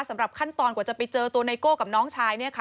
สำหรับขั้นตอนกว่าจะไปเจอตัวไนโก้กับน้องชายเนี่ยค่ะ